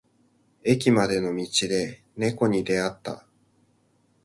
駅までの道で猫に出会った。